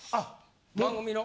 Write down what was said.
番組の。